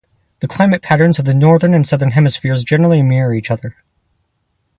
The climate patterns of the Northern and Southern Hemispheres generally mirror each other.